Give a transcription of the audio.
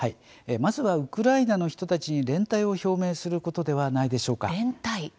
まずはウクライナの人たちに連帯を表明することではないでしょうか。